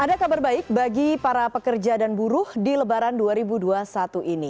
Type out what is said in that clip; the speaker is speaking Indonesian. ada kabar baik bagi para pekerja dan buruh di lebaran dua ribu dua puluh satu ini